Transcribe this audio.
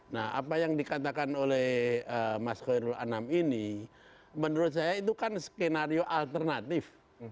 nah apa yang dikatakan oleh mas khairul anam ini menurut saya itu kan skenario alternatif